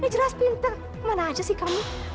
jelas pintar mana aja sih kamu